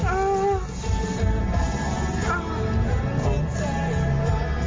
โอ้ยตายแล้ว